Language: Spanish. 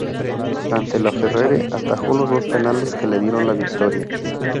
Ante Laferrere atajó los dos penales que le dieron la victoria.